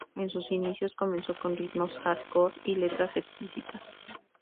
En sus inicios comenzó con ritmos hardcore y letras explícitas.